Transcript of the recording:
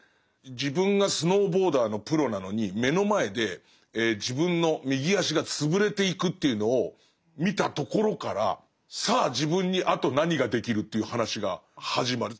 自分がスノーボーダーのプロなのに目の前で自分の右足が潰れていくというのを見たところからさあ自分にあと何ができるという話が始まる。